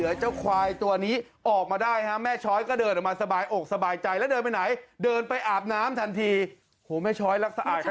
โอ้โฮแม่ช้อยรักสะอาดขนาดนี้เหรอ